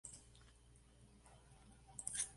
Charlie Watts proporciona la batería.